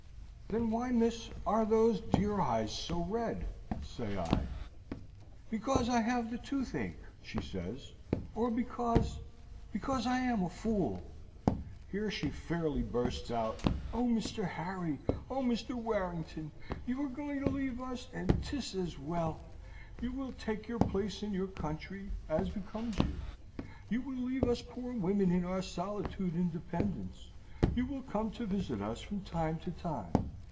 "'Then, why, miss, are those dear eyes so red?' say I. "'Because I have the toothache,' she says, 'or because because I am a fool.' Here she fairly bursts out. 'Oh, Mr. Harry! oh, Mr. Warrington! You are going to leave us, and 'tis as well. You will take your place in your country, as becomes you. You will leave us poor women in our solitude and dependence. You will come to visit us from time to time.